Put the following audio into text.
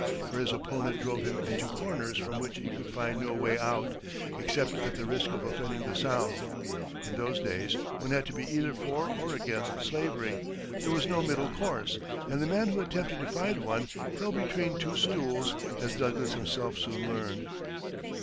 For his opponent drove him into corners from which he could find no way out except at the risk of offending the South. In those days, one had to be either for or against slavery; there was no middle course, and the man who attempted to find one, fell between two stools, as Douglas himself soon learned.